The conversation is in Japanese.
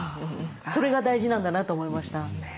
それが大事なんだなと思いました。